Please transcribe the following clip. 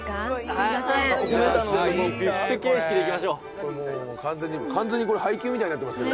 長谷川：「完全に、これ配給みたいになってますけど」